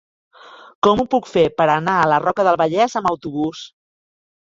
Com ho puc fer per anar a la Roca del Vallès amb autobús?